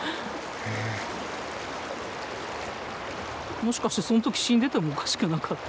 もしかしてその時死んでてもおかしくなかったですね。